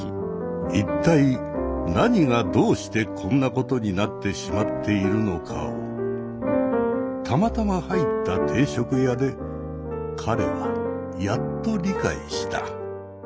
一体何がどうしてこんなことになってしまっているのかをたまたま入った定食屋で彼はやっと理解した。